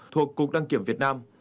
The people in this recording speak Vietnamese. thuộc cục đăng kiểm việt nam